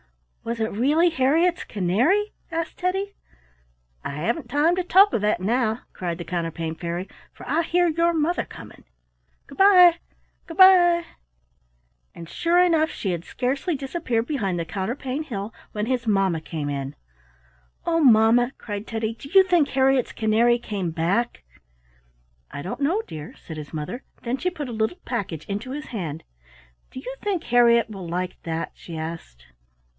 "Was it really Harriett's canary?" asked Teddy. "I haven't time to talk of that now," cried the Counterpane Fairy, "for I hear your mother coming. Good bye! good bye!" And sure enough she had scarcely disappeared behind the counterpane hill when his mamma came in. "Oh, Mamma!" cried Teddy, "do you think Harriett's canary came back? "I don't know, dear," said his mother. Then she put a little package into his hand. "Do you think Harriett will like that?" she asked.